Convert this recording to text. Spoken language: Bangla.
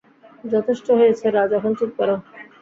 যথেষ্ট হয়েছে রাজ, এখন চুপ কর।